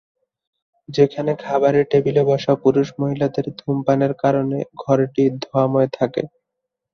যেখানে খাবারের টেবিলে বসা পুরুষ-মহিলাদের ধূমপানের কারণে ঘরটি ধোঁয়াময় থাকে।